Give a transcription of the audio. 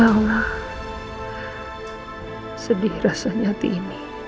saya sedih rasanya hati ini